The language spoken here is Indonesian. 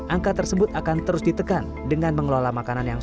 angka tersebut akan terus ditekan dengan mengelola makanan yang